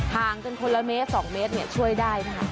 ห่างกันคนละเมตร๒เมตรช่วยได้นะคะ